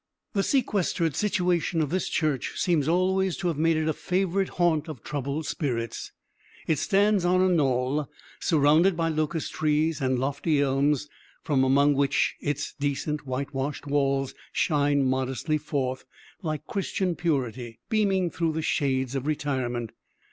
The sequestered situation of this church seems always to have made it a favorite haunt of troubled spirits. It stands on a knoll, surrounded by locust trees and lofty elms, from among which its decent, whitewashed walls shine modestly forth, like Christian purity, beaming through the shades of retirement.